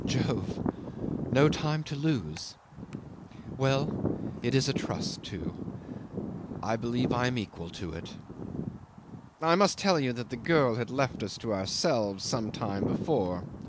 Jove! No time to lose. Well, it is a trust too ... I believe I am equal to it ..." 'I must tell you the girl had left us to ourselves some time before.